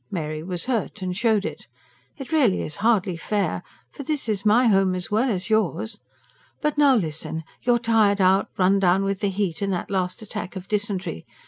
Mary was hurt; and showed it. "It really is hardly fair. For this is my home as well as yours. But now listen. You're tired out, run down with the heat and that last attack of dysentery.